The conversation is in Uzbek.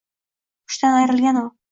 Hushdan ayrilgan u